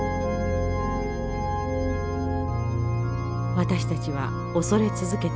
「私たちは恐れ続けてきた。